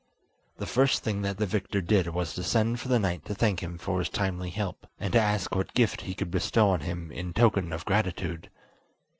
The first thing that the victor did was to send for the knight to thank him for his timely help, and to ask what gift he could bestow on him in token of gratitude.